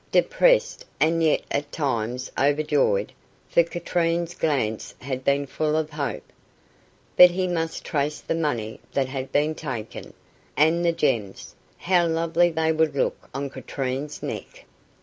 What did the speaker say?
Depressed, and yet at times overjoyed, for Katrine's glance had been full of hope. But he must trace the money that had been taken, and the gems how lovely they would look on Katrine's neck!